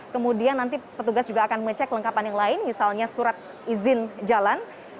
kemudian nanti petugas juga akan mengecek lengkapan yang lain misalnya surat izin jalan